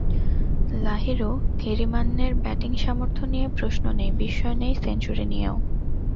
লাহিরু থিরিমান্নের ব্যাটিং সামর্থ্য নিয়ে প্রশ্ন নেই, বিস্ময় নেই সেঞ্চুরি নিয়েও।